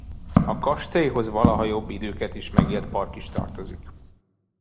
A kastélyhoz valaha jobb időket is megélt park is tartozik.